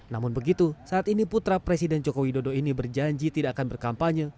namun begitu saat ini putra presiden joko widodo ini berjanji tidak akan berkampanye